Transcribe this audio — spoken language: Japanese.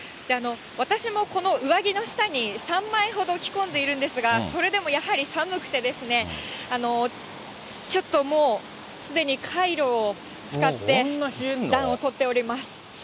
私もこの上着の下に、３枚ほど着込んでいるんですが、それでもやはり寒くてですね、ちょっともう、すでにかいろを使って。